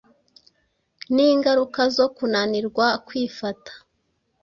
n’ingaruka zo kunanirwa kwifata